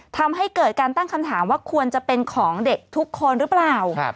ทำให้เกิดการตั้งคำถามว่าควรจะเป็นของเด็กทุกคนหรือเปล่า